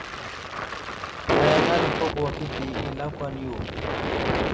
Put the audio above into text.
Nayaŋa nəpato wakita i lakwan yo.